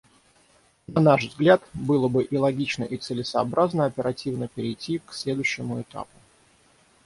На наш взгляд, было бы и логично, и целесообразно оперативно перейти к следующему этапу.